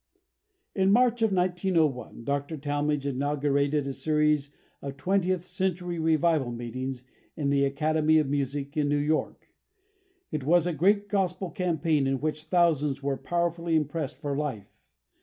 In March of 1901 Dr. Talmage inaugurated a series of Twentieth Century Revival Meetings in the Academy of Music, in New York. It was a great Gospel campaign in which thousands were powerfully impressed for life.